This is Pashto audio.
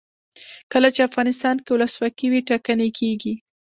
کله چې افغانستان کې ولسواکي وي ټاکنې کیږي.